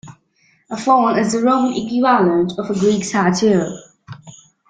A Faun is the Roman equivalent of a Greek Satyr.